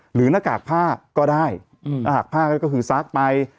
หน้ากากผ้าก็ได้หน้าหากผ้าก็คือซักไป